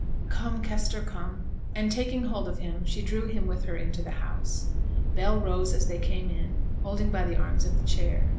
'Come, Kester, come,' and taking hold of him she drew him with her into the house. Bell rose as they came in, holding by the arms of the chair.